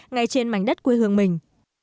ngay trên mảnh đất quê hương mình